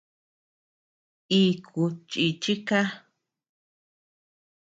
Iku chichí ka.